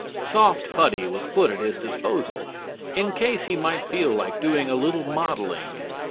Soft putty was put at his disposal, in case he might feel like doing a little modeling.